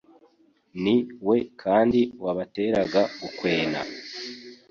Ni we kandi wabateraga gukwena.